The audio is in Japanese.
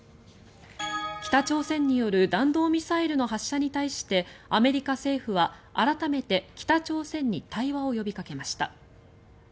北朝鮮による弾道ミサイルの発射に対してアメリカ政府は改めて北朝鮮に対話を呼びかけました。